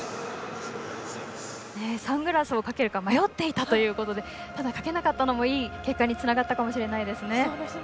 サングラスをかけるか迷っていたということでかけなかったのもいい結果につながったかもしれませんね。